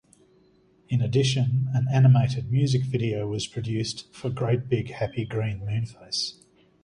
In addition, an animated music video was produced for Great Big Happy Green Moonface.